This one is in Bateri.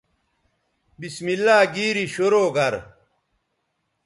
بسم اللہ گیری شرو گر